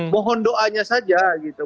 mohon doanya saja gitu